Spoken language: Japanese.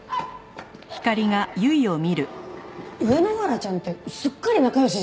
上野原ちゃんってすっかり仲良しじゃないですか。